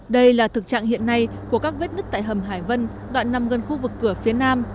đây là thực trạng hiện nay của các vết nứt tại hầm hải vân đoạn nằm gần khu vực cửa phía nam